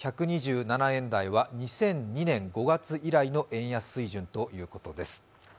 １２７円台は２００２年５月以来の円安水準ということです。